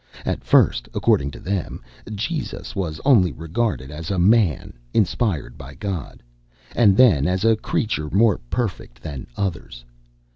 At first, according to them, Jesus was only regarded as a man inspired by God, and then as a creature more perfect than others.